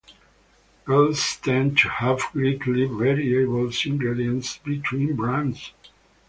Gels tend to have greatly variable ingredients between brands.